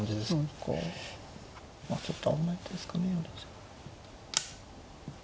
まあちょっと危ない手ですかね。